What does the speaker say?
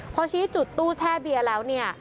พอชี้จุดตู้แช่เบียร์แล้วเนี่ย